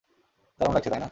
দারুন লাগছে, তাই না?